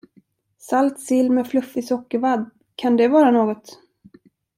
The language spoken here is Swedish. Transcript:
Salt sill med fluffig sockervadd, kan det vara något?